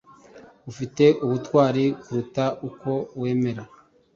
ufite ubutwari kuruta uko wemera